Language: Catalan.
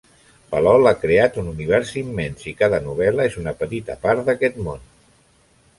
Palol ha creat un univers immens, i cada novel·la és una petita part d'aquest món.